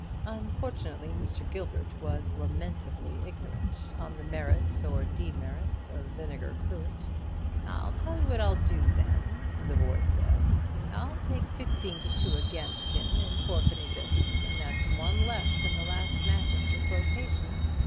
Unfortunately Mr. Gilbert was lamentably ignorant of the merits or demerits of Vinegar Cruet. "I'll tell you what I'll do with you, then," the boy said; "I'll take fifteen to two against him in fourpenny bits, and that's one less than the last Manchester quotation."